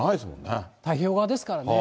太平洋側ですからね。